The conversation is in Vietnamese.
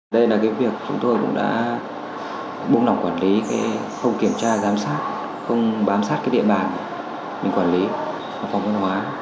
đây là cái việc chúng tôi cũng đã buông lỏng quản lý không kiểm tra giám sát không bám sát địa bàn mình quản lý phòng văn hóa